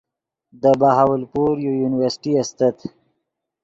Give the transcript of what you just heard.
دے بہاولپور یو یونیورسٹی استت